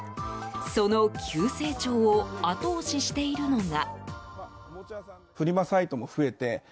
その急成長を後押ししているのが。